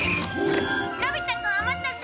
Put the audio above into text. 「のび太くんお待たせ！